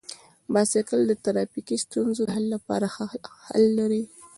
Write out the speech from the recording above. بایسکل د ټرافیکي ستونزو د حل لپاره ښه حل دی.